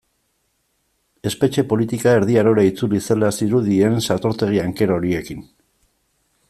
Espetxe politika Erdi Arora itzuli zela zirudien satortegi anker horiekin.